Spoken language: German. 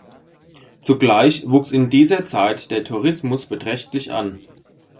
Zugleich wuchs in dieser Zeit der Tourismus beträchtlich an.